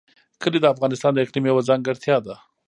کلي د افغانستان د اقلیم یوه ځانګړتیا ده.